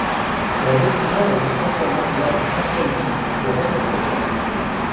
La décision a été confirmée lors du Conseil du de Rennes Métropole.